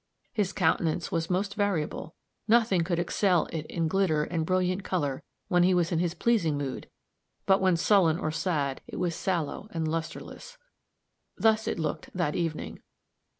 His countenance was most variable; nothing could excel it in glitter and brilliant color when he was in his pleasing mood, but when sullen or sad, it was sallow and lusterless. Thus it looked that evening.